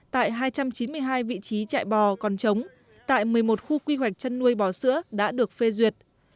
tại hai trăm chín mươi hai vị trí chạy bò còn chống tại một mươi một khu quy hoạch chăn nuôi bò sữa đã được phê duyệt